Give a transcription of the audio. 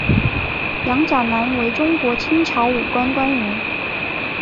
杨钾南为中国清朝武官官员。